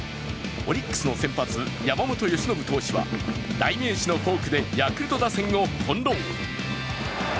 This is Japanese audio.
オリックスの先発・山本由伸投手は代名詞のフォークでヤクルト打線を翻弄。